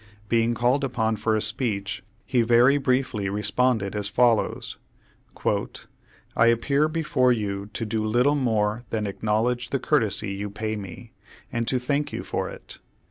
Being called upon for a speech, he very briefly responded as follows: "I appear before you to do little more than acknowledge the courtesy you pay me, and to thank you for it.